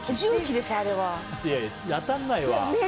当たらないわ。